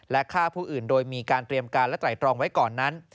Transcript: และฆ่าผู้อื่นโดยมีการเตรียมการและไตรตรองไว้ก่อนนั้น